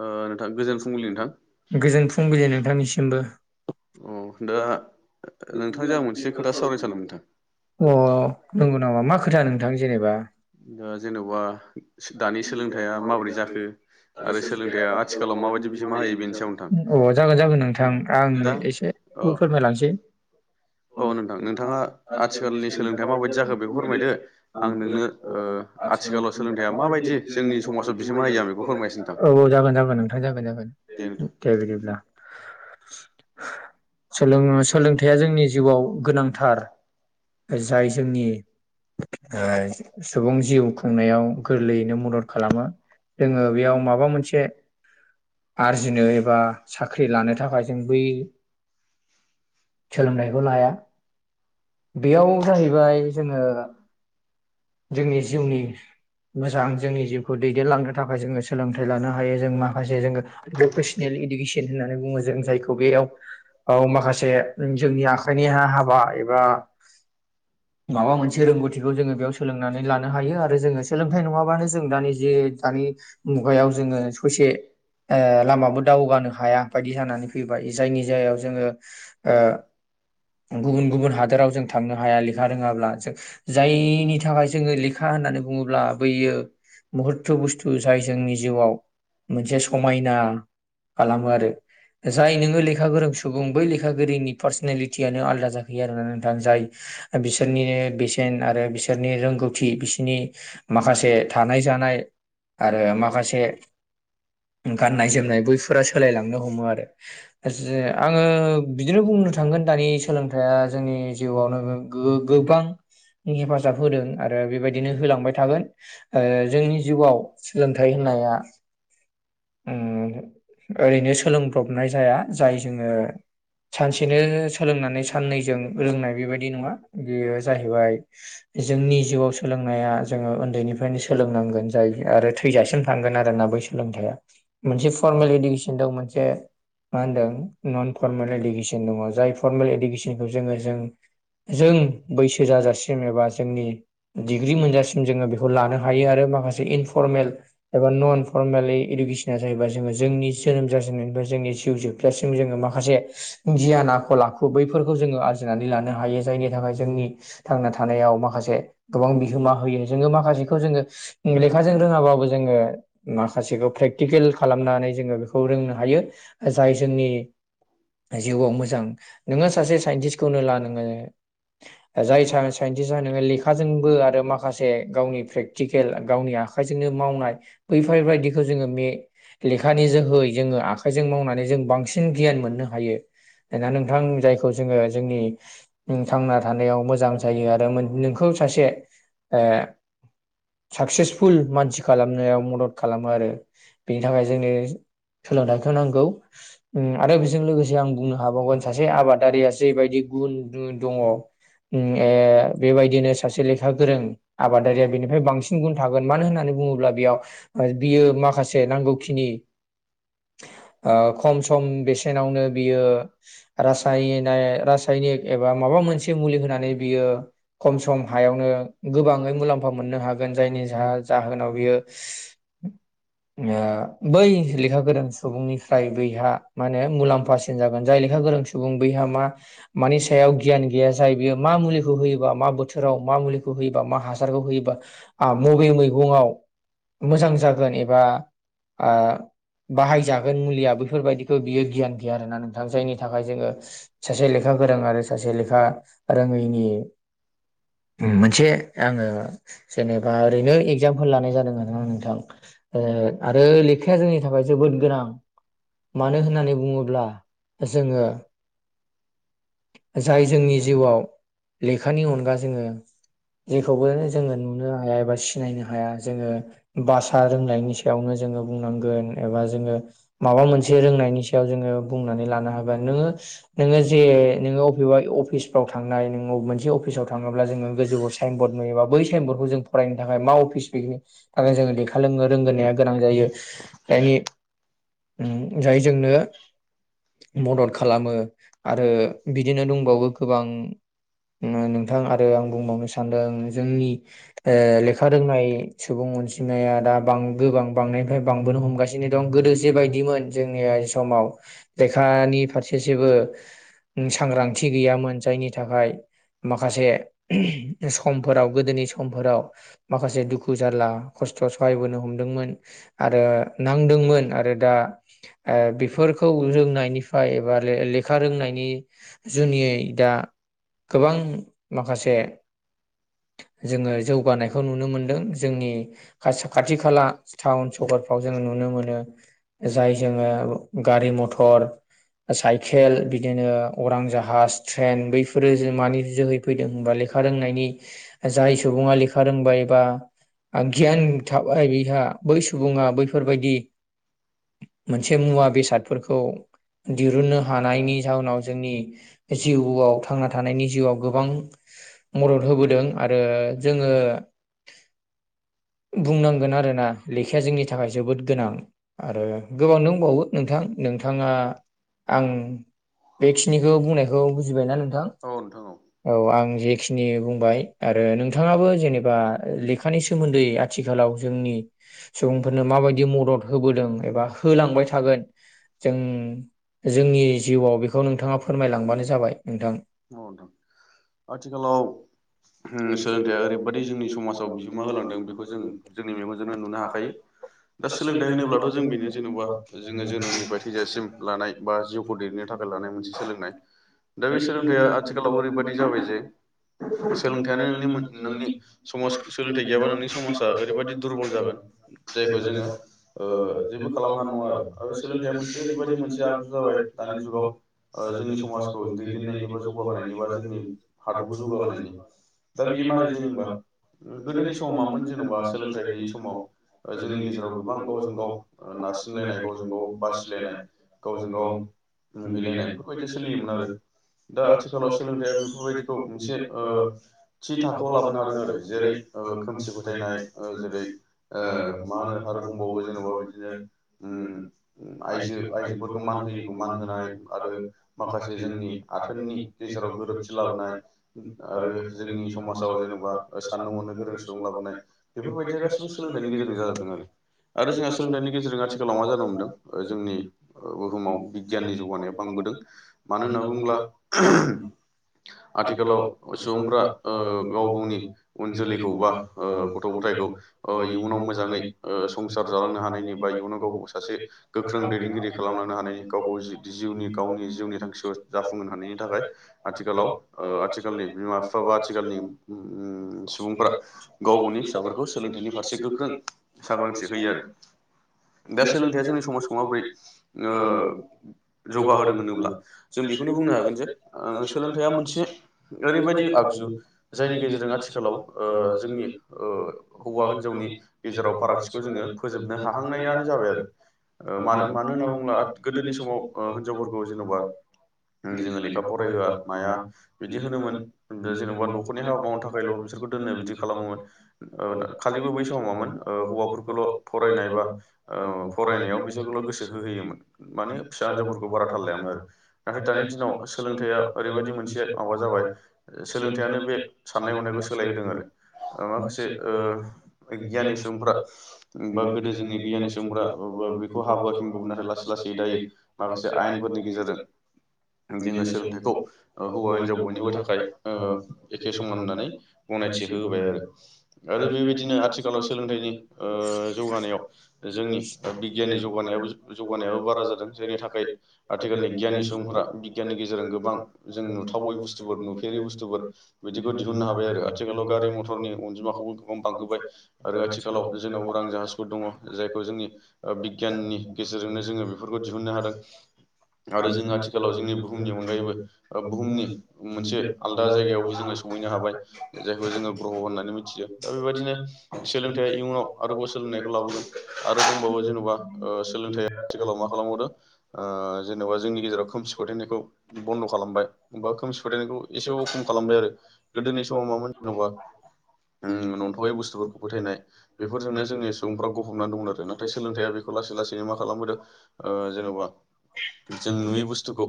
ओ नोंथां गोजोन फुंबिलि नोंथां गोजोन फुंबिलि नोंथांनिसिमबो। अ दा नोंथां जों आं मोनसे खोथा सावरायनो सानदोमोन अ नोंथां नंगौ नामा मा खोथा नोंथां जेनेबा दा जेन'बा दानि सोलोंथाइया माबोरै जाखो अ आरो सोलोंथाइया आथिखालाव माबायदि बिहोमा होयो बेनि सायाव नोंथां जागोन जागोन नोंथां आं दा एसे औ फो-फोरमायलांसै औ नोंथां नोंथाङा आथिखालनि सोलोंथाइया माबायदि जाखो बेखौ फोरमायदो आं नोंनो ओ औ औ आथिखालाव सोलोंथाइया माबायदि जोंनि समाजाव बिहोमा होयो आं बेखौ फोरमायसै नोंथां जागोन जागोन नोंथां जागोन जागोन। दे बिदिब्ला। सोंलों-सोलोंथाइया जोंनि जिउआव गोनांथार जाय जोंनि ओ सुबुं जिउ खुंनायाव गोरलैयैनो मदद खालामो। जोङो बेयाव माबा मोनसे आरजिनो एबा साख्रि लानो थाखाय जों बै सोलोंनायखौ लाया बेयाव जाहैबाय जोङो जोंनि जिउनि मोजां जोंनि जिउखौ दैदेनलांनो थाखाय जोङो सोलोंथाइ लानो हायो जों माखासे जोङो भकेसनेलि इदुकेसन होननानै बुङो जों जायखौ बेयाव औ माखासे जोंनि आखाइनि हा-हाबा एबा माबा मोनसे रोंगौथिखौ जोङो बेयाव सोलों थाइ लानो हायो आरो जोङो सोलोंथाइ नङाबानो जों दानि जे दानि मुगायाव जोङो ससे ओ लामाबो दावगानो हाया बायदि जानानै फैबाय जायनि जायाव जोङो ओ गुबुन गुबुन हादोराव जों थांनो हाया लेखा रोङाब्ला जों जायनि थाख थाखाय जोङो लेखा होननानै बुङोब्ला बैयो महत्त बुस्थु जाय जोंनि जिउआव मोनसे समायना खालामो आरो। जाय नोङो लेखा गोरों सुबुं बै लेखाागोरिनि पार्सनेलिटियानो आलदा जाखोयो आरोना नोंथां जाय बिसोरनिनो बेसेन आरो बिसोर नि रोंगौथि बिसिनि माखासे थानाय जानाय आरो माखासे गाननाय जोमनाय बैफोरा सोलायलांनो हमो आरो जे आङो बिदिनो बुं बुंनो थांगोन दानि सोलोंथाइआ जोंनि जिउआवनो गो-गो-गो-गोबां हेफाज हेफाजाब होदों आरो बेबायदिनो होलांबाय थागोन ओ जोंनि जिउआव सोलोंथाइ होननाया उम ओरैनो सोलोंब्रबनाय जाया जाय जोङो सानसेनो सोलोंनानै साननैजों रोंनाय बेबायदि नङा बेयो जाहैबाय जोंनि जिउआव सोलोंनाया जोङो ओन्दैनिफ्रायनो सोलोंनांगोन जाय आरो थैजासिम थांगोन आरोना। बे सोलोंथाया मोनसे फर्मेल इडुकेसन दं मोनसे मा होनदों नन फरमेल इडुकेसन दङ जाय फरमेल इडुकेसनखौ जोङो जों जों बैसो जाजासिम एबा जोंनि डिग्रि मोनजासिम जोङो बेखौ लानो हायो आरो माखासे इनफरमेल एबा नन फरमेलि इडुकेस आ जहैबाय जोङो जोंनि जोनोम जासेननायनिफ्राय जोंनि जिउ जोबजासिम जोङो माखासे गियान आखल आखु आखु बैफोरखौ जोङो आरजिनानै लानो हायो जायनि थाखाय जोंनि थांना था थानायाव माखासे गोबां बिहोमा होयो जोङो माखासेखौ जोङो लेखा जों रोङाबाबो जोङो माखासेखौ प्रेक्टिकेल खालामनानै जोङो बेखौ रोंनो हायो जाय जोंनि जिउआव मोजां नोङो सासे साइन्टिस्टखौनो ला नोङो जाय साय सा जा नोङो लेखाजोंबो आरो माखासे गावनि प्रेकटिकेल गावनि आखाइजोंनो मावनाय बेफोरबायदिखौ जोङो मे लेखानि जोहै जोङो आखाइजों मावनानै जों बांसिन गियान मोननो हायो। दा नोंथां जायखौ जोङो जोंनि थांना थानायाव मोजां जा जायो आरो मोन नोंखौ सासे ओ साक्सेसफुल मानसि खालामनायाव मदद खालामो आरो बेनि थाखाय जोंनि सोलोंथाइखौ नांगौ आरो बेजों लोगोसे आं बुंनो हाबावगोन सासे आबादारिया जेबायदि गुन द दङ उ ए बेबायदिनो सासे लेखा गोरों आबादारिया बेनिफ्राय बांसिन गुन थागोन मानो होननानै बुङोब्ला बेयाव बियो माखासे नांगौखिनि ओ खम सम बेसेनावनो बियो रासायनाय रासाय नि एबा माबा मोनसे मुलि होनानै बि खम सम हायावनो गोबाङै मुलाम्फा मोननो हागोन जायनि जाह जाहोनाव बियो [unintelligible] ओ बै लेखा गोरों सुबुंनिफ्राय बैहा माने मुलाम्फासिन जागोन जाय लेखा गोरों सुबुं बैहा मा मानि सायाव गियान गैया जाय बियो मा मुलिखौ होयोबा मा बोथोराव मा मुलिखौ होयोबा मा हासारखौ होयोबा मबे मैगंआव मोजां जागोन एबा आ बाहायजागोन मुलिया बैफोरबायदिखौ बियो गियान गैया आरोना नोंथां जायनि थाखाय जोङो सासे लेखा लेखा गोरों आरो सासे लेखा रोङैनि मोनसे आङो जेनेबा ओरैनो एगजामफल लानाय जादों आरोना नोंथां ओ आरो लेखाया जोंनि थाखाय जोबोद गोनां मानो होननानै बुङोब्ला जोङो जाय जोंनि जिउआव लेखानि अनगा जोङो जेखौबो जोङो नुनो हाया एबा सिनायनो हाया जोङो बासा रों नायनि सायावनो जोंङो बुंनांगोन एबा जोङो माबा मोनसे रोंनायनि सायाव जोङो बुंनानै लाना हागोन नोङो नोंङो जे नोङो व बेबा अफिसफ्राव थांनाय नो मोनसे अफिसाव थाङोब्ला जोङो गोजौआव साइन बर्ड नुयोबा बै साइन बर्डखौ जों फ फरायनि थाखाय मा अफिस बेयो आरो जोङो लेखा रोंगोन। रोंगोनाया गोनां जायो जायनि उ जाय जोंनो मदद खालामो आरो बिदिनो दंबावो गोबां नोंथां आरो आं बुंबावनो सानदों जोंनि ओ लेखा रोंनाय सुबुं अनजिमाया दाब गोबां बांनायनिफ्राय बांबोनो हमगासिनो दं गोदो जेबायदिमोन जोंनि समाव लेखा नि फारसे जेबो सांग्रांथि गैयामोन जायनि थाखाय माखासे समफोराव गोदोनि समफोराव माखासे दुखु जारला खस्' थ सहायबोनो हम दोंमोन आरो नांदोंमोन आरो दा आ बेफोरखौ रोंनायनि फाय एबा ले लेखा रोंनायनि जोंनिय दा गोबां माखासे जोङो जौगानायखौ नुनो मोनदों जोंनि खायसे खाथि खाला टाउन सहरफ्राव जोङो नुनो मोनो। जाय जोङो गारि मथर साइकेल बिदिनो अरां जाहाज ट्रेन बैफोरो मानि जोहै फैदों होनबा लेखा रोंनायनि जाय सुबुं ङा लेखा रोंबाय बा गियान था बिहा बै सुबुङा बैफोरबायदि मोनसे मुवा बेसादफोरखौ दिरुननो हानायनि जाउनाव जोंनि जिउआव थांना थानायनि जिउआव गोबां मदद होबोदों। आरो जोङो बुंनां गोन आरोना लेखाया जोंनि थाखाय जोबोद गोनां आरो गोबाव दंबावो नोंथां नोंथाङा आं बेखिनिखौ बुंनायखौ औ बुजिबायना नोंथां नोंथां ओ औ नोंथाङाबो जेनेबा लेखानि सोमोन्दै आथिखालाव जोंनि सुबुंफोरनो माबायदि मदद होबोदों एबा होलांबाय थागोन जों जोंनि जिउआव बेखौ नोंथाङा फोरमायलांबानो जाबाय नोंथां। औ नोंथां आथिखालाव सोलोंथाइया ओरैबादि जोंनि समाजाव बिहोमा होलां बेखौ जों जोंनि मेगनजोंनो नुनो हाखायो। दा सोलोंथाइ होनोब्लाथ' जों बेनो जेन'बा जोङो जोनोमनिफ्राय थैजासिम लानाय बा जिउखौ देरनो थाखाय मोनसे सोलोंनाय दा बे सोलोंथाइया आथिखालाव ओरैबायदि जाबाय जे सोलोंथाइानो नों नोंनि समाजखौ सोलोंथाइ गैयाबा नोंनि समाजा ओरैबायदि दुरबल जागोन जायखौ जोङो ओ जेबो खालामहानाय नङा आरो। आरो सोलोंथाइआ मोनसे ओरैबायाददि मोनसे आगजु जाबाय दानि जुगाव जोंनि समाजखौ दैदेननायनि बा जौगाहोनायनि बा जोंनि हादरखौ जौगाहोनायनि दा बेयो माबोरै जायोबा गोदोनि समावामोन जेनेबा सोलोंथाइ गैयि समाव जोंनि गेजेराव गोबां गावजों गाव नारसिनलायनाय गावजों गाव बासिलायनाय गावजों गाव मुगैलायनाय बेफोरबायदि सोलियोमोन आरो। दा आथिखालाव सोलोंथाइआ बेफोरबायदिखौ मोनसे ओ थि थाखोआव लाबोनो हादों आरो जेरै ओ खोमसि फोथायनाय जेरै ओ मा होनो आरो दंबावो जेन'बा बिदिनो आइजो आयजोफोरखौ मान होयोखौ मान होनाय आरो माखासे जोंनि आथोननि गेजेराव गोरोबथि लाबोनाय आरो जोंनि समाजाव जेन'बा साननो हनो गोरों सुबुं लाबोनाय बेफोरबायदिया गासिबो सोलोंथाइनि गेजेरजों जाजोबदों आरो। आरो जोंहा सोलोंथाइनि गेजेरजों आथिखालाव मा जानो मोनदों जोंनि बुहुमाव बिगियाननि जुग माने बां मानो होनना बुङोब्ला आथिखालाव सुबुंफ्रा ओ गाव गावनि उन जोलैखौ बा गथ' गथायखौ इयुनाव मोजाङै संसार जालांनो हानायनि बा इयुनाव गाव सासे गोख्रों दैदेनगिरि खालामलांनो हानाय गावखौ जिउनि गावनि जिउनि थांखियाव जाफुंहोनो हानाय। बेनि थाखाय आथिखालाव आथिखालनि बिमा बिफा बा आथिखालनि उम सुबुंफ्रा गाव गावनि फिसाफोरखौ सोलोंथाइनि फारसे गोख्रों सांग्रांथि होयो आरो। दा सोलोंथाइया जोंनि समाजाव माबोरै ओ जौगाहोदों होनोब्ला जों आ बेखौनो बुंनो हागोन जे सोलोंथाइया मोनसे ओरैबायदि आगजु जायनि गेजेरजों आथिखालाव ओ जोंनि ओ हौवा हिनजावनि गेजेराव फारागथिखौ जोङो फोजोबनो हाहांनायानो जाबाय। आरो मानो मानो होनना बुङोब्ला गोदोनि समाव हिनजावफोरखौ जेन'बा जोङो लेखा फरायहोआ माया बिदि होनोमोन जेन'बा न'खरनि हाबा मावनो थाखायल' दोनो बिदि खालामोमोन खालिबो बै समावमामोन हौवाफोरखौल' फरायनाय बा फरायनायाव बिसोरखौल' गोसो होहोयोमोन माने फिसा हिनजावफोरखौ बारा थाल लायामोन आरो नाथाय दानि दिनाव सोलोंथाइया ओरैबायदि मोनसे माबा जाबाय सोलोंथाइानो बे साननाय हनायखौ सोलायहोदों आरो [inaudible] माखासे ओ गियानि सुबुंफ्रा बा गोदो जोंनि गियानि सुबुंफ्रा बेखौ हाबोआखैमोनबाबो नाथाय लासै लासै दायो माखासे आयेनफोरनि गेजेरजों जोङो सोलोंथाइखौ हौवा हिनजाव बयनिबो थाखाय ओ एखे समान होननानै गनायथि होबाय आरो आरो बेबायदिनो आथिखालाव सोलोंथाइनि ओ जौगानायाव जोंनि बिगियाननि जौगानायाबो जौगानायाबो बारा जादों जायनि थाखाय आथिखालनि गियाननि सुबुंफोरा बिगियाननि गेजेरजों गोबां जों नुथावै बुस्थुफोर, नुफेरै बुस्थुफोर बिदिखौ दिहुननो हाबाय आरो। आथिखालाव गारि मथरनि अनजिमाखौबो गोबां बांहोबाय आरो आथिखालाव जोंनाव उरां जाहाजफोर दङ जायखौ जोंनि बिगियाननि गेजेरजोंनो जोङो बेफोरखौ दिहुननो हादों आरो जों आथिखालाव जोंनि बुहुमनि अनगायैबो बुहुमनि मोनसे दा जायगायावबो जोङो सहैनो हाबाय जायखौ जोङो ग्रह होननानै मिथियो दा बेबायदिनो सोलोंथ इयुनाव आरोबाव सोलोंनायखौ लाबोगोन आरो दंबावो जेनबा ओ सोलोंथाइ आथिखालाव मा खालामबावो ओ जेनेबा जोंनि गेजेराव खोमसि फोथा यनायखौ बनद' खालामबाय। बा खोमसि फोथायनायखौ एसेबाबो खम खालामबाय आरो। गोदोनि समाव मामोन जेन'बा [inaudible] नंथावै बुस्थुफोरखौ फोथायनाय बेफोरजोंनो जोंनि सुबुंफ्रा गफबना दंमोन आरो नाथाय सोलोंथाइया बेखौ लासै-लासैनो मा खालामबोदों ओ जेन'बा जों नुयै बुस्थुखौ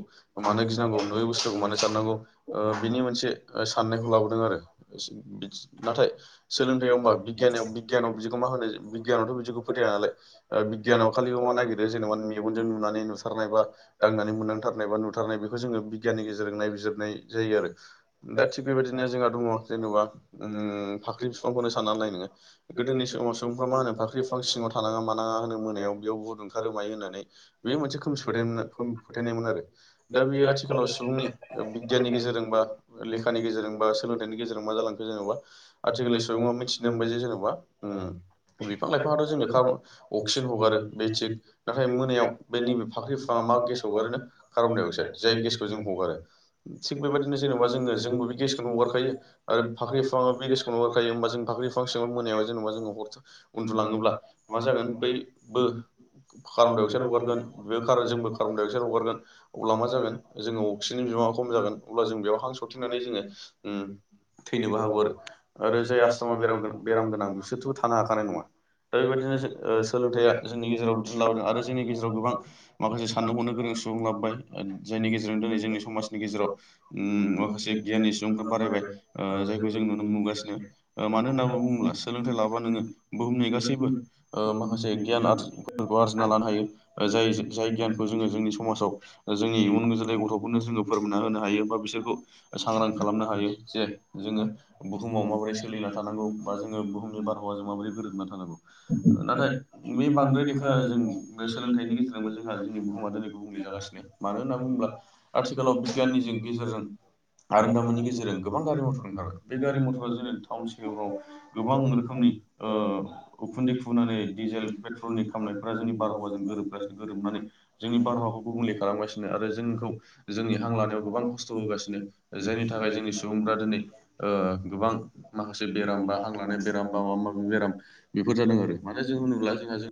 मानो गिनांगौ नुयै बुस्थुखौ मानो साननांगौ ओ बिनि मोनसे साननायखौ लाबोदों आरो। नाथाय सोलोंथाइयाव होनबा बिगायान बिगियानाव बिखौ मा होनो बिगियानावथ' बिखौ फोथाया नालाय बिगियानाव खालिबो मा नागिरो जेनेबा मेगनजों नुनानै नुसारनाय बा दांनानै मोन दांथारनाय बा नुथारनाय बेखौ जोङो बिगियाननि गेजेरजों नायबिजिरनाय जायो आरो। दा थिग बेबायदिनो जोंहा दङ जेनेबा ओम फाख्रि बिफांखौनो साननानै नाय नोङो गोदोनि समाव सुबुंफ्रा मा होनो फाख्रि बिफां सि ङाव थानाङा मानाङा होनो मोनायाव। बेयाव बुहुद ओंखारो मायो होननानै बे मोनसे खोमसि फोथाय फोथायनायमोन आरो दा बेयो आथिखालाव सुबुंनि बिगियाननि गेजेरजों बा लेखानि गेजेरजों बा सोलों यनि गेजेराव मा जालांखो जेनेबा आथिखालनि सुबङा मिथिनो मोनबाय जे जेनेबा बिफां लाइफाङाथ' जोंनो कार अक्सिजेन हगारो बे थिग, नाथाय मोनायाव बे नैबे फाख्रि बिफाङा मा गेस हगारो, कार्बनदाइ अक्साइड जाय गेसखौ जों हगारो। थिग बेबायदिनो जेनबा जोंबो बे गेसखौनो हगारखायो। आरो फाख्रि बिफाङा बे गेसखौनो हगारखायो, होमबा जों फाख्रि बिफां मोनायाव जेनेबा जों हर उन्दुलाङोब्ला मा जागोन बैबो कार्बन डाइ अक्साइड हगारगोन बेर जोंबो कार्बन डाइ अक्साइड हगारगोन अब्ला मा जागोन जोङो अक्सिजेननि बिबाङा खम जागोन अब्ला जों बेयाव हां सरथेनानै जोङो ओ थैनोबो हागौ आरो। आरो जाय आसथामा बेर बेराम गोनां बिसोरथ'बो थानो हाखानाय नङा दा बेबायदिनो जो सोलोंथाइया जोंनि गेजेराव बिदिनो लाबोदों आरो जोंनि गेजेराव गोबां माखासे साननो हनो गोरों सुबुं लाबोबाय। जायनि गेजेरजों दिनै जोंनि समाजनि गेजेराव ओम माखासे गियाननि सुबुंफोरा बारायबाय ओ जायखौ जों नुनो मोनगासिनो, मानो होनना बुङोब्ला सोलोंथाइ लाबा नोङो बुहुमनि गासैबो ओ माखासे गियान आरजिफोरखौ आरजिना लानो हायो जाय जाय गियानखौ जोङो जोंनि समाजाव जोंनि इयुन गोजोलै गथ'फोरनो जोङो फोरमायना होनो हायो बा बिसोरखौ सांग्रां खालामनो हायो जे जोङो बुहुमाव माबोरै सोलिना थानांगौ, बा जोङो बुहुमनि बारहावाजों माबोरै गोरोबना थानांगौ नाथाय बे बांद्राय देखा जों सोलोंथाइनि गेजेरजोंबो जोंहा जोंनि बुहुमा दिनै गुबुंले जागासिनो मानो होनना बुङोब्ला आथिखालाव बिगियाननिजों गेजेरजों आरोंदामिननि गेजेरजों गोबां गारि मथर बे गारि मथरा जोंनि टाउन चिटिफ्राव गोबां रोखोमनि उखुन्दै खुनानै डिजेल पेट्रलनि खामनायफ्रा जोंनि बारहावाजों गोरोबगासिनो गोरोबनानै जोंनि बारहावाखौ गुबुंले खालामगासिनो। आरो जोंखौ जोंनि हां लानायाव गोबां खस्थ' होगासिनो जायनि थाखाय जोंनि सुबुंफ्रा दिनै ओ गोबां माखासे बेराम बा, हां लानाय बेराम बा माबा माबि बेराम बेफोर जादों आरो माने जों होनोब्ला जोंहा जों